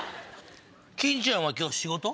金ちゃんは今日仕事？